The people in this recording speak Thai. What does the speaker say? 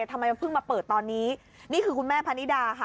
ทำไมเพิ่งมาเปิดตอนนี้นี่คือคุณแม่พนิดาค่ะ